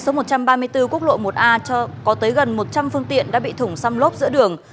khu quốc lộ một a có tới gần một trăm linh phương tiện đã bị thủng xăm lốp giữa đường